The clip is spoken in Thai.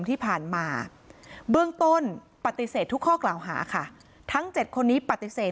ที่ผ่านมาเบื้องต้นปฏิเสธทุกข้อกล่าวหาค่ะทั้ง๗คนนี้ปฏิเสธ